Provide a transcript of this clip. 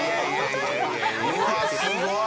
うわっすごい！